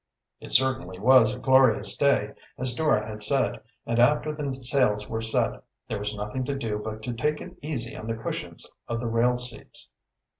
It certainly was a glorious day, as Dora had said, and after the sails were set, there was nothing to do but to take it easy on the cushions of the rail seats.